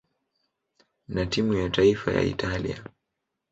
na timu ya taifa ya Italia.